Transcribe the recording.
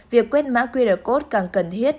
việc quét mã qr code càng cần thiết